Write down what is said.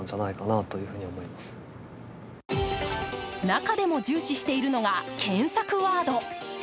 中でも重視しているのが検索ワード。